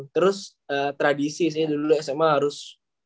terus tradisi sih dulu sma harus